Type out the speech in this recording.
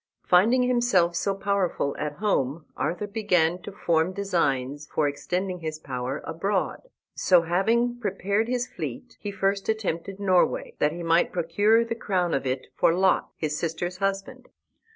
Finding himself so powerful at home, Arthur began to form designs for extending his power abroad. So, having prepared his fleet, he first attempted Norway, that he might procure the crown of it for Lot, his sister's husband.